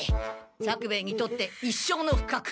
作兵衛にとって一生のふかく。